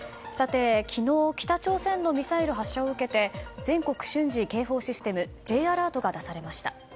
昨日、北朝鮮のミサイル発射を受けて全国瞬時警報システム・Ｊアラートが出されました。